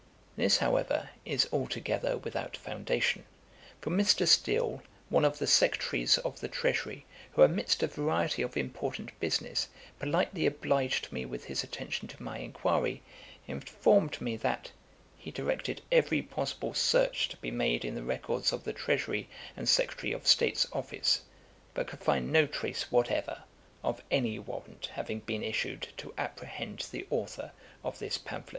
This, however, is altogether without foundation; for Mr. Steele, one of the Secretaries of the Treasury, who amidst a variety of important business, politely obliged me with his attention to my inquiry, informed me, that 'he directed every possible search to be made in the records of the Treasury and Secretary of State's Office, but could find no trace whatever of any warrant having been issued to apprehend the authour of this pamphlet.'